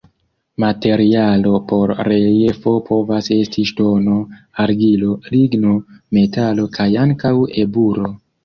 Materialo por reliefo povas esti ŝtono, argilo, ligno, metalo kaj ankaŭ eburo.